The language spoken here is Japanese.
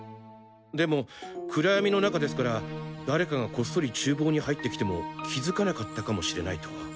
でも暗闇の中ですから誰かがこっそり厨房に入ってきても気づかなかったかもしれないと。